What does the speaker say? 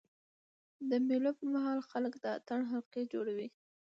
د مېلو پر مهال خلک د اتڼ حلقې جوړوي.